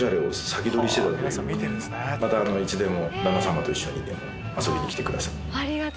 またいつでも旦那さまと一緒に遊びに来てください。